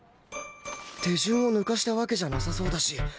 手順を抜かしたわけじゃなさそうだし